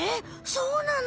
そうなの？